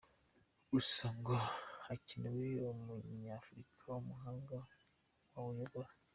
Gusa, ngo hakenewe umunyafurika w’umuhanga wawuyobora.